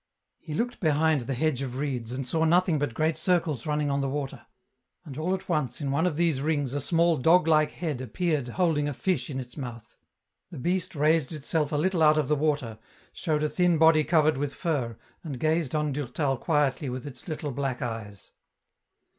He looked behind the hedge of reeds and saw nothing but great circles running on the water, and all at once in one of these rings a small dog like head appeared holding a fish in its mouth ; the beast raised itself a little out of the water, showed a thin body covered with fur, and gazed on Durtal quietly with its little black eyes.